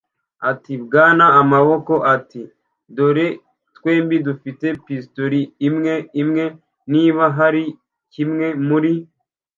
Ati: “Bwana Amaboko, "ati:" dore twembi dufite pisitori imwe imwe. Niba hari kimwe muri